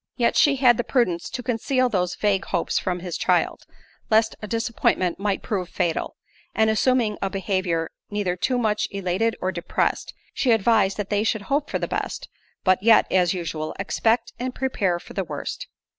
Yet she had the prudence to conceal those vague hopes from his child, lest a disappointment might prove fatal; and assuming a behaviour neither too much elated or depressed, she advised that they should hope for the best, but yet, as usual, expect and prepare for the worst.